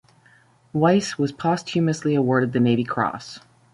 Weiss was posthumously awarded the Navy Cross.